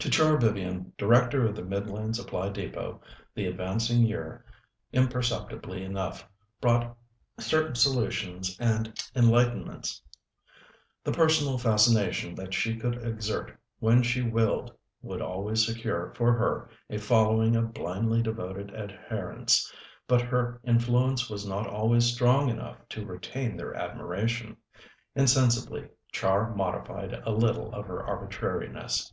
To Char Vivian, Director of the Midland Supply Depôt, the advancing year, imperceptibly enough, brought certain solutions and enlightenments. The personal fascination that she could exert when she willed would always secure for her a following of blindly devoted adherents, but her influence was not always strong enough to retain their admiration. Insensibly, Char modified a little of her arbitrariness.